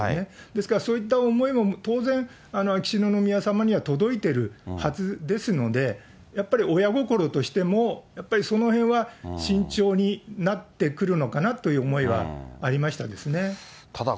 ですからそういった思いも当然、秋篠宮さまには届いてるはずですので、やっぱり親心としても、やっぱりそのへんは慎重になってくるのかなという思いはありましただ